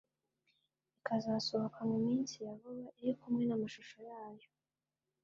ikazasohoka mu minsi ya vuba iri kumwe n’amashusho yayo